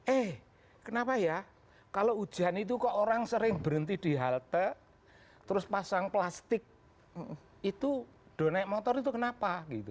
eh kenapa ya kalau ujian itu kok orang sering berhenti di halte terus pasang plastik itu udah naik motor itu kenapa